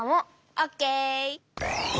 オッケー！